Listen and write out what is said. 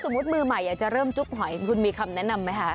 ถ้าสมมุติมือใหม่จะเริ่มจุ๊บหอยคุณมีคำแนะนำไหมคะ